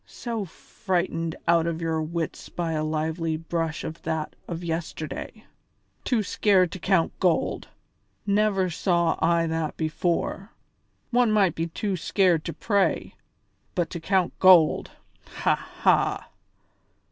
So frightened out of your wits by a lively brush as that of yesterday! Too scared to count gold! Never saw I that before. One might be too scared to pray, but to count gold! Ha! ha!"